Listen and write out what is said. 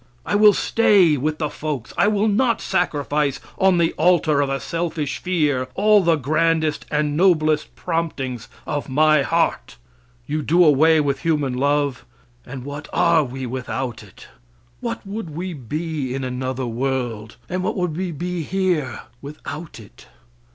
I will stay with the folks. I will not sacrifice on the altar of a selfish fear all the grandest and noblest promptings of my heart. You do away with human love, and what are we without it? What would we be in another world, and what would we be here without it?